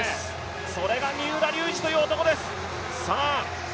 それが三浦龍司という男です。